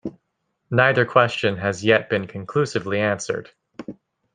Neither question has yet been conclusively answered.